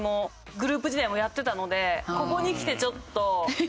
グループ時代もやってたのでここにきてちょっと。